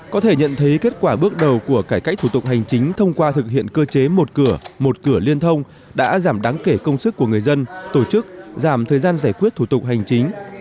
có thể nhận thấy kết quả bước đầu của cải cách thủ tục hành chính thông qua thực hiện cơ chế một cửa một cửa liên thông đã giảm đáng kể công sức của người dân tổ chức giảm thời gian giải quyết thủ tục hành chính